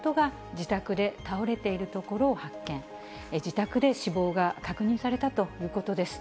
自宅で死亡が確認されたということです。